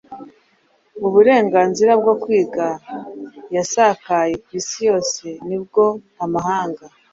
uburengazira bwo kwiga yasakaye ku isi yose. ni bwo amahanga